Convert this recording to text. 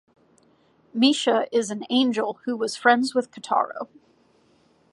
Misha is an angel who was friends with Kotaroh.